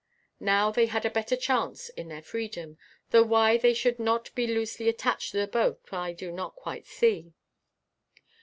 Now they had a better chance in their freedom, though why they should not be loosely attached to the boat, I do not quite see.